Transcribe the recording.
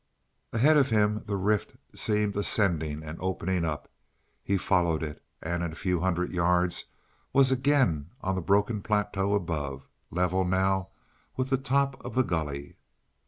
Ahead of him, the rift seemed ascending and opening up. He followed it, and in a few hundred yards was again on the broken plateau above, level now with the top of the gully.